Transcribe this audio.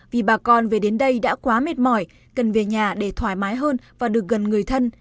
vì bà con về đến đây đã quá mệt mỏi cần về nhà để thoải mái hơn và được gần người thân